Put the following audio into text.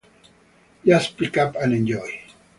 Just pick up and enjoy.